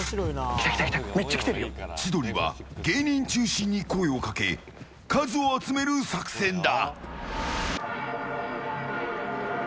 千鳥は芸人中心に声をかけ数を集める作戦だ。